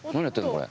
これ。